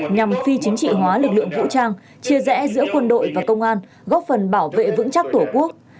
nhằm phi chính trị hóa lực lượng vũ trang chia rẽ giữa quân đội và công an góp phần bảo vệ vững chắc tổ quốc